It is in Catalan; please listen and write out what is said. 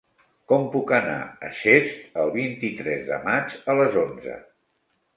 Com puc anar a Xest el vint-i-tres de maig a les onze?